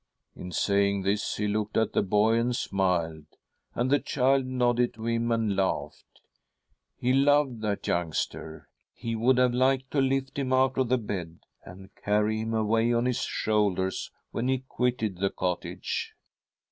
" In saying this, he looked aftfie boy and smiled, and the child nodded to him and laughed. He loved that youngster— he would have liked to lift him out of bed and carry him away on his shoulders when he quitted the cottage.